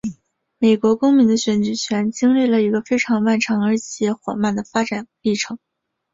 美国公民的选举权经历了一个非常漫长而且缓慢的发展历程。